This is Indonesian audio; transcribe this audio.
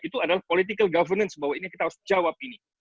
itu adalah political governance bahwa ini kita harus jawab ini